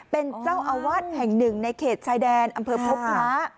เป็นเจ้าอาวาสแห่งหนึ่งในเขตชายแดนอำเภอพบม้า